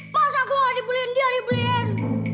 masa aku gak dibeliin dia dibeliin